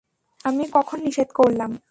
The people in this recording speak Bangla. আমি কখন নিষেধ করলাম?